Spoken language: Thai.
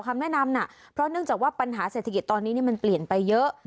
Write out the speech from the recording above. คำแนะนำน่ะเพราะเนื่องจากว่าปัญหาเศรษฐกิจตอนนี้มันเปลี่ยนไปเยอะ